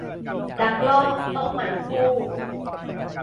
ดักลอบต้องหมั่นกู้